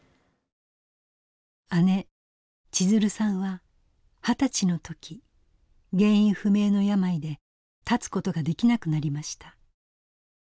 姉千鶴さんは二十歳の時原因不明の病で立つことができなくなりました。